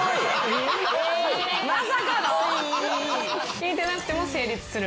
聞いてなくても成立する？